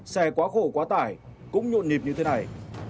xe quá khổ quá tải cũng nhộn nhịp như thế này